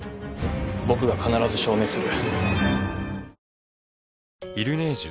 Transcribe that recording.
僕が必ず証明する。